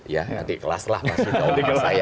ya adik kelas lah pasti dong saya